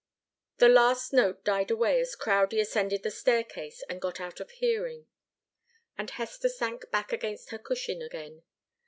The last note died away as Crowdie ascended the staircase and got out of hearing, and Hester sank back against her cushion again.